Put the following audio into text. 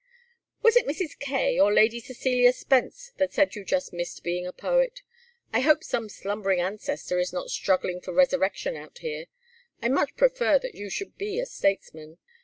"Was it Mrs. Kaye or Lady Cecilia Spence that said you just missed being a poet? I hope some slumbering ancestor is not struggling for resurrection out here. I much prefer that you should be a statesman."